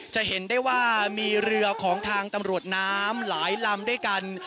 จะเห็นได้ว่ามีเรือของทางตำรวจน้ำหลายลำด้วยกัน